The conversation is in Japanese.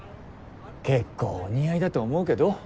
結構お似合いだと思うけど。